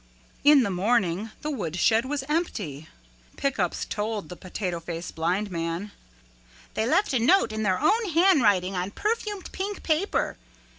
In the morning the woodshed was empty. Pick Ups told the Potato Face Blind Man, "They left a note in their own handwriting on perfumed pink paper.